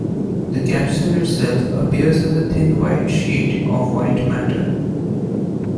The capsule itself appears as a thin white sheet of white matter.